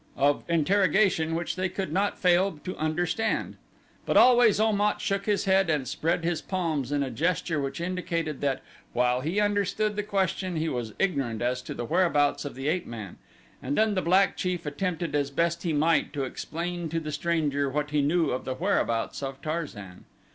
of interrogation which they could not fail to understand. But always Om at shook his head and spread his palms in a gesture which indicated that while he understood the question he was ignorant as to the whereabouts of the ape man, and then the black chief attempted as best he might to explain to the stranger what he knew of the whereabouts of Tarzan.